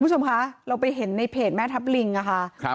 คุณผู้ชมค่ะเราไปเห็นในเพจแม่ทับลิงค่ะ